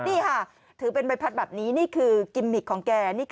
นี่ค่ะถือเป็นใบพัดแบบนี้นี่คือกิมมิกของแก